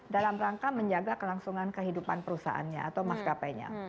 dalam rangka menjaga kelangsungan kehidupan perusahaannya atau maskapainya